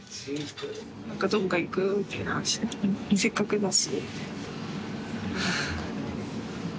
せっかくだし。